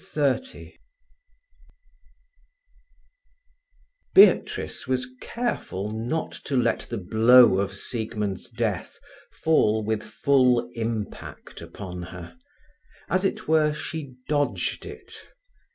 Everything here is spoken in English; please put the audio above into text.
XXX Beatrice was careful not to let the blow of Siegmund's death fall with full impact upon her. As it were, she dodged it.